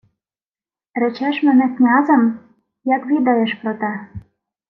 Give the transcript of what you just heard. — Речеш мене князем? Як відаєш про те?